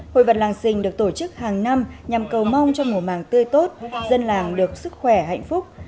hội vật làng sình được tổ chức hàng năm nhằm cầu mong cho mùa màng tươi tốt dân làng được sức khỏe hạnh phúc